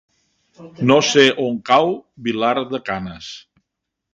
No sé on cau Vilar de Canes.